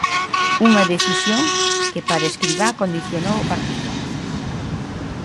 Unha decisión que para Escribá condicionou o partido.